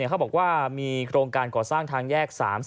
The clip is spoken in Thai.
เขาบอกว่ามีโครงการก่อสร้างทางแยก๓๐